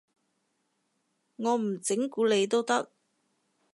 我唔整蠱你都得